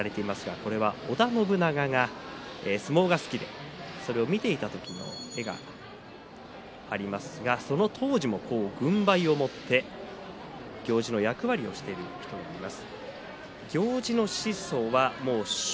これは織田信長が相撲が好きでそれを見ていた時の絵がありますがその当時も軍配を持って行司の役割をしている人もいます。